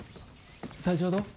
体調は、どう？